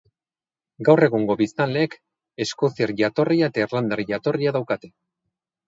Gaur egungo biztanleek eskoziar jatorria eta irlandar jatorria daukate.